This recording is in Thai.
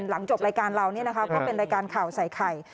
หลังจบรายการเราก็เป็นรายการข่าวใส่ไข่